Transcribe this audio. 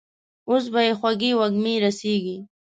اوس به يې خوږې وږمې رسېږي.